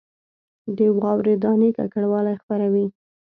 د واورې دانې ککړوالی خپروي